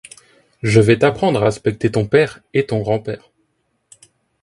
je vas t’apprendre à respecter ton père et ton grand-père !